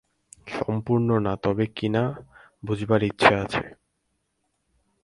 সম্পূর্ণ না, তবে কিনা বোঝবার ইচ্ছে আছে।